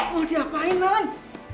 mau diapain non